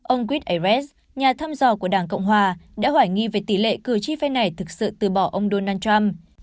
ông chris ares nhà thăm dò của đảng cộng hòa đã hoài nghi về tỷ lệ cử tri phe này thực sự từ bỏ ông donald trump